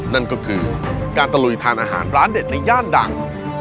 นั่นก็คือการตะลุยทานอาหารร้านเด็ดในย่านดัง